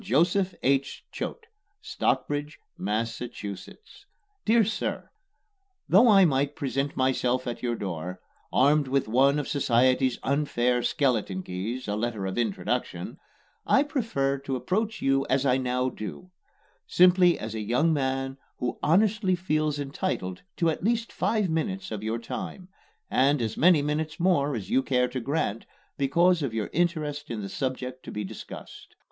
JOSEPH H. CHOATE, Stockbridge, Massachusetts. DEAR SIR: Though I might present myself at your door, armed with one of society's unfair skeleton keys a letter of introduction I prefer to approach you as I now do: simply as a young man who honestly feels entitled to at least five minutes of your time, and as many minutes more as you care to grant because of your interest in the subject to be discussed.